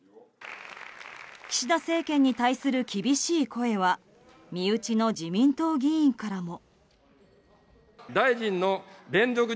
岸田政権に対する厳しい声は身内の自民党議員からも。